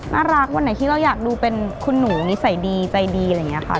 วันไหนที่เราอยากดูเป็นคุณหนูนิสัยดีใจดีอะไรอย่างนี้ค่ะ